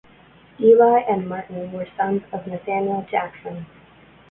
Eli and Martin were sons of Nathaniel Jackson.